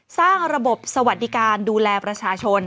สร้างระบบสวัสดิการดูแลประชาชน